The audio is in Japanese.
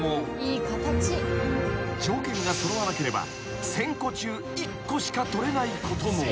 ［条件が揃わなければ１，０００個中１個しか取れないことも］